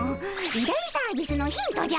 大サービスのヒントじゃ。